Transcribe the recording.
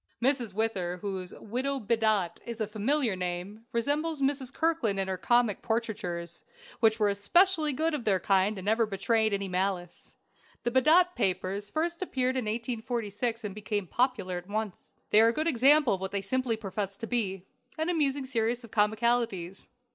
Mrs. Whither, whose "Widow Bedott" is a familiar name, resembles Mrs. Kirkland in her comic portraitures, which were especially good of their kind, and never betrayed any malice. The "Bedott Papers" first appeared in 1846, and became popular at once. They are good examples of what they simply profess to be: an amusing series of comicalities.